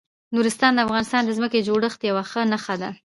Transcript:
نورستان د افغانستان د ځمکې د جوړښت یوه ښه نښه ده.